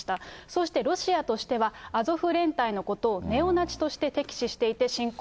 そしてロシアとしては、アゾフ連隊のことをネオナチとして敵視し